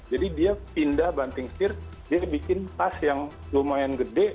jadi dia pindah banting setir dia bikin tas yang lumayan gede